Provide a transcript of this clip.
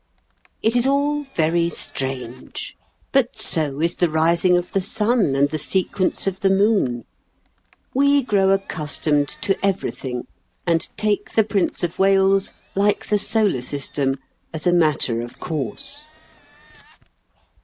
It is all very strange; but so is the rising of the sun and the sequence of the moon. We grow accustomed to everything and take the Prince of Wales like the solar system as a matter of course.